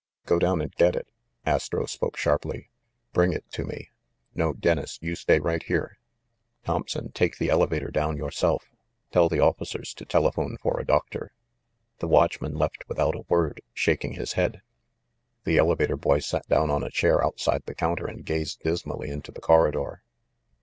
"Go down and get it !" Astro spoke sharply. "Bring it to me ! No, Dennis, you stay right here. Thompson, take the elevator down yourself. Tell the officers to telephone for a doctor." The watchman left without a word, shaking his head. The elevator boy sat down on a chair outside the counter and gazed dismally into the corridor.